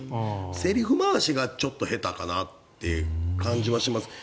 セリフ回しがちょっと下手かなという気がします。